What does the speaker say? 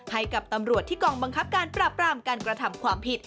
ให้กับตำรวจที่กองบังคับการปราบรามการกระทำความผิด